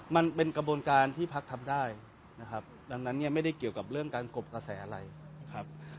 มันเป็นกระบวนการที่พักทำได้นะครับดังนั้นเนี่ยไม่ได้เกี่ยวกับเรื่องการกบกระแสอะไรนะครับ